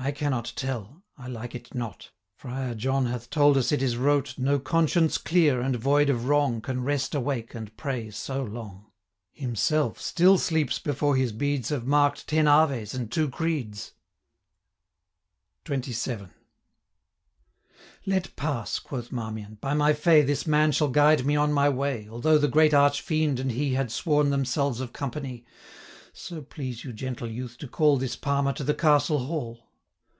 I cannot tell I like it not Friar John hath told us it is wrote, No conscience clear, and void of wrong, 450 Can rest awake, and pray so long. Himself still sleeps before his beads Have mark'd ten aves, and two creeds.' XXVII. 'Let pass,' quoth Marmion; 'by my fay, This man shall guide me on my way, 455 Although the great arch fiend and he Had sworn themselves of company. So please you, gentle youth, to call This Palmer to the Castle hall.'